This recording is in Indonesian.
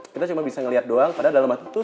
kita cuma bisa ngeliat doang padahal dalam hati tuh